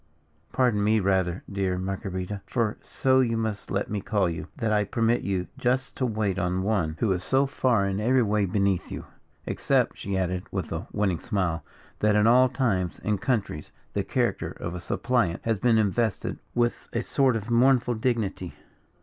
"Pardon me, rather, dear Marguerita for so you must let me call you that I permit you thus to wait on one, who is so far in every way beneath you. Except," she added, with a winning smile, "that in all times and countries the character of a suppliant has been invested with a sort of mournful dignity."